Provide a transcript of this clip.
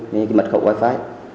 như cái mật khẩu wifi